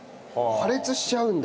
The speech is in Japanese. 破裂しちゃうんだ。